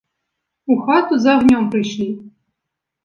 У хату за агнём прыйшлі.